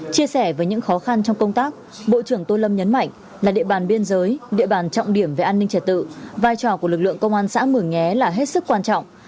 chia sẻ với những khó khăn trong công tác bộ trưởng tô lâm nhấn mạnh là địa bàn biên giới địa bàn trọng điểm về an ninh trật tự vai trò của lực lượng công an xã mường nhé là hết sức quan trọng